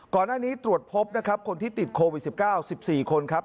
ก่อนหน้านี้ตรวจพบนะครับคนที่ติดโควิด๑๙๑๔คนครับ